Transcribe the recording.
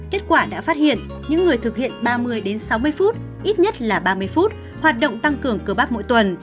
kết quả đã phát hiện những người thực hiện ba mươi đến sáu mươi phút ít nhất là ba mươi phút hoạt động tăng cường cơ bác mỗi tuần